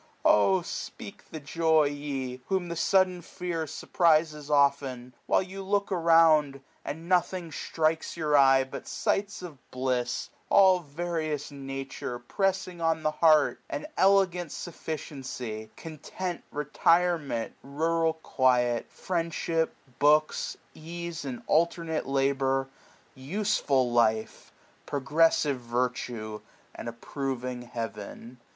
Oh, sj^eak the joy ! ye, whom the sudden tear Surprizes often, while you look around^ i i5j And nothing strikes your eye but sights of bliss^ All various Nature pressing on the heart ; An elegant sufficiency, content, Retirement, rural quiet, friendship, books^ Ease and alternate labour, useful life^ Progressive virtue, and approving Heaven.